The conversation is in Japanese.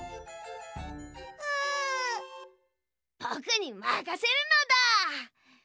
ぼくにまかせるのだ！